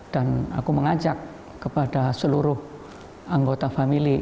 dan aku mengajak kepada seluruh anggota family